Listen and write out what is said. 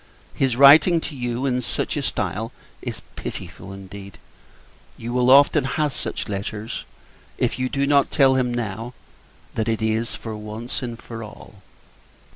His writing to you in such a stile is pitiful indeed. You will often have such letters, if you do not tell him, now, that it is for once and all.